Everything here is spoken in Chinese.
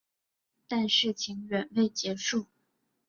但事情远未结束。